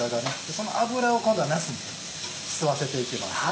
その脂を今度はなすに吸わせていきます。